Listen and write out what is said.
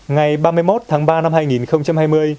ngày ba mươi một tháng ba năm hai nghìn hai mươi